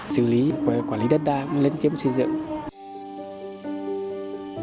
sử lý và quản lý đất đai cũng lên kiếm xây dựng